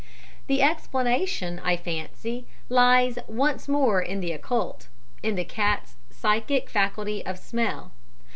The explanation, I fancy, lies once more in the occult in the cat's psychic faculty of smell.